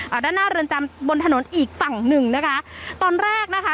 อ่าด้านหน้าเรือนจำบนถนนอีกฝั่งหนึ่งนะคะตอนแรกนะคะ